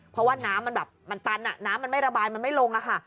เพราะว่าน้ำมันตันน้ำมันไม่ระบายมันไม่ลง